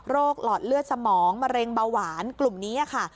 หลอดเลือดสมองมะเร็งเบาหวานกลุ่มนี้ค่ะ